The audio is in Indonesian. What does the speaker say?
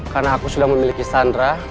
karena aku sudah memiliki sandra